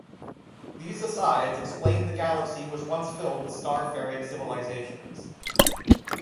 These asides explain the galaxy was once filled with star faring civilizations.